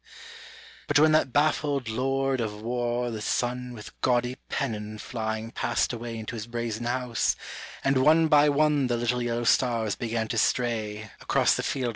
But when that baffled Lord of War the Sun With gaudy pennon flying passed away Into his brazen House, and one by one The little yellow stars began to stray JLA.